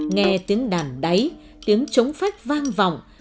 nghe tiếng đàn đáy tiếng trống phách vang vọng